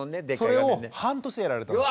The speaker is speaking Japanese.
それを半年でやられたんです。